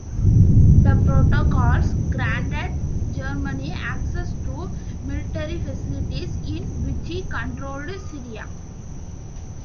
The protocols granted Germany access to military facilities in Vichy-controlled Syria.